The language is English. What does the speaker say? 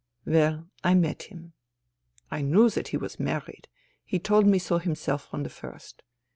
..." Well, I met him. I knew that he was married ; he told me so himself from the first.